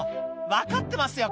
「分かってますよ